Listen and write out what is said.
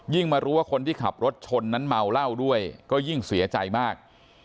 มารู้ว่าคนที่ขับรถชนนั้นเมาเหล้าด้วยก็ยิ่งเสียใจมาก